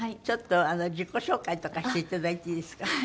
ちょっと自己紹介とかしていただいていいですか？